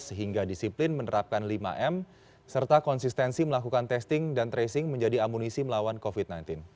sehingga disiplin menerapkan lima m serta konsistensi melakukan testing dan tracing menjadi amunisi melawan covid sembilan belas